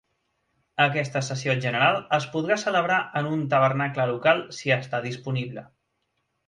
Aquesta sessió general es podrà celebrar en un tabernacle local si està disponible.